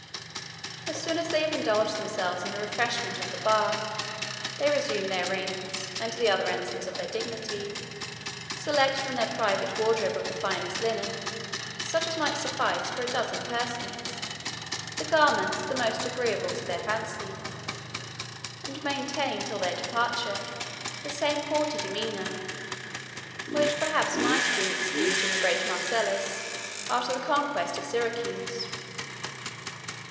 As soon as they have indulged themselves in the refreshment of the bath, they resume their rings, and the other ensigns of their dignity, select from their private wardrobe of the finest linen, such as might suffice for a dozen persons, the garments the most agreeable to their fancy, and maintain till their departure the same haughty demeanor; which perhaps might have been excused in the great Marcellus, after the conquest of Syracuse.